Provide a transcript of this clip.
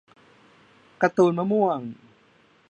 การ์ตูนมะม่วง